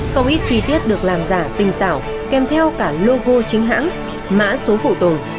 không ít chi tiết được làm giả tinh xảo kèm theo cả logo chính hãng mã số phụ tùng